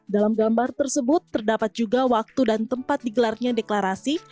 dalam gambar tersebut terdapat juga waktu dan tempat digelarnya deklarasi